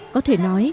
có thể nói